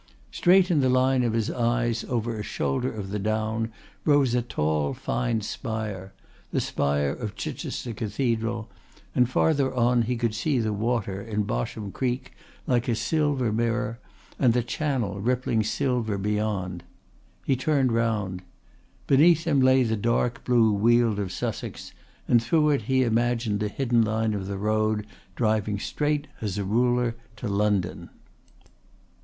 Straight in the line of his eyes over a shoulder of the down rose a tall fine spire the spire of Chichester Cathedral, and farther on he could see the water in Bosham Creek like a silver mirror, and the Channel rippling silver beyond. He turned round. Beneath him lay the blue dark weald of Sussex, and through it he imagined the hidden line of the road driving straight as a ruler to London.